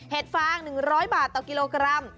ฟาง๑๐๐บาทต่อกิโลกรัม